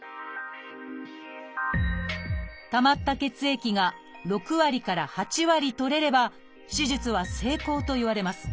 たまった血液が６割から８割取れれば手術は成功といわれます。